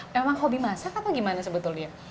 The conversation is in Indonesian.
memang hobi masak atau gimana sebetulnya